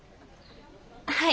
はい。